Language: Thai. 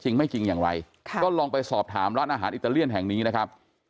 จริงไม่จริงอย่างไรค่ะก็ลองไปสอบถามร้านอาหารอิตาเลียนแห่งนี้นะครับ